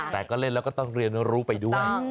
แต่ก็เล่นแล้วก็ต้องเรียนรู้ไปด้วย